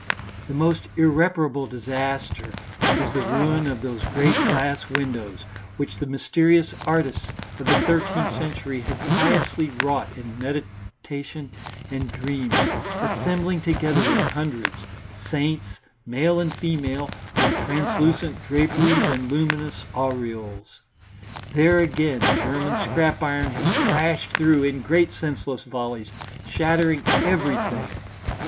The most irreparable disaster is the ruin of those great glass windows, which the mysterious artists of the thirteenth century had piously wrought in meditation and dreams, assembling together in hundreds, saints, male and female, with translucent draperies and luminous aureoles. There again German scrap iron has crashed through in great senseless volleys, shattering everything.